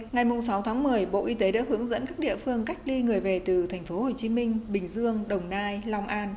ngày sáu tháng một mươi bộ y tế đã hướng dẫn các địa phương cách ly người về từ thành phố hồ chí minh bình dương đồng nai long an